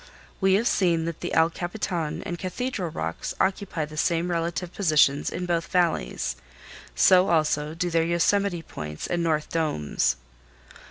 We have seen that the El Capitan and Cathedral rocks occupy the same relative positions In both valleys; so also do their Yosemite points and North Domes.